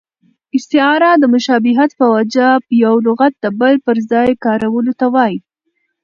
استعاره د مشابهت په وجه یو لغت د بل پر ځای کارولو ته وايي.